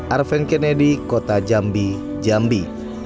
arven kennedy kota jambi jambi